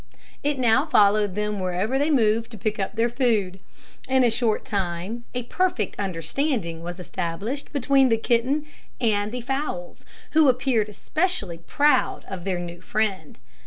It now followed them wherever they moved to pick up their food. In a short time a perfect understanding was established between the kitten and the fowls, who appeared especially proud of their new friend.